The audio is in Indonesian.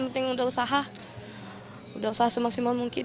penting udah usaha udah usaha semaksimal mungkin